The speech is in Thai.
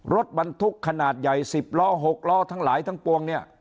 รถบรรทุกขนาดใหญ่๑๐ล้อ๖ล้อทั้งหลายทั้งปวงเนี่ย